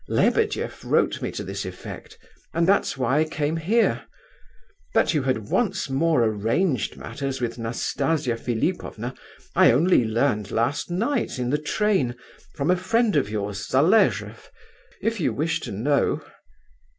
Lebedeff wrote me to this effect, and that's why I came here. That you had once more arranged matters with Nastasia Philipovna I only learned last night in the train from a friend of yours, Zaleshoff—if you wish to know.